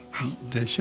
でしょ？